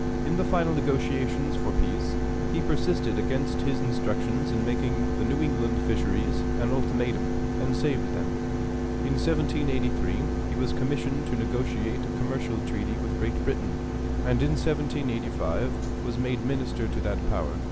In the final negotiations for peace, he persisted against his instructions in making the New England fisheries an ultimatum, and saved them. In 1783 he was commissioned to negotiate a commercial treaty with Great Britain, and in 1785 was made minister to that power.